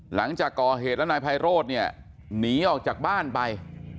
หลังจากก่อเหตุแล้วนายไพโรธเนี่ยหนีออกจากบ้านไป